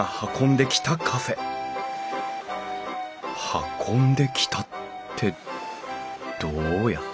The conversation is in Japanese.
運んできたってどうやって？